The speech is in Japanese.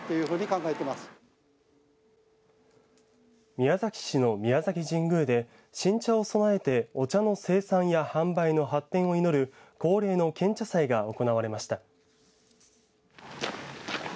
宮崎市の宮崎神宮で新茶を供えてお茶の生産や販売の発展を祈る恒例の献茶祭が行われました。